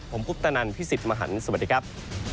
ผมคุปตะนันพี่สิทธิ์มหันฯสวัสดีครับ